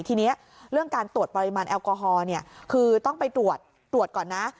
ทีนี้เรื่องการตรวจปริมาณแอลกอฮอล์คือต้องไปตรวจตรวจก่อนนะ